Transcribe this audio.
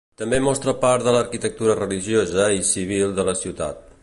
També mostra part de l'arquitectura religiosa i civil de la ciutat.